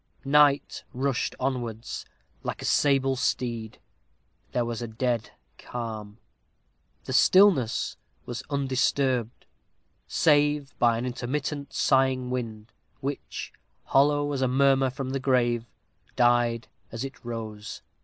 Night rushed onwards, like a sable steed. There was a dead calm. The stillness was undisturbed, save by an intermittent, sighing wind, which, hollow as a murmur from the grave, died as it rose.